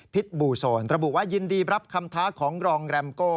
บู่โซนระบุว่ายินดีรับคำท้าของรองแรมโก้